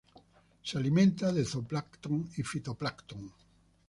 Se alimenta de zooplancton y fitoplancton.